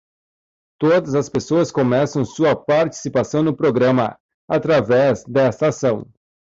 Todas as pessoas começam sua participação no programa através desta ação.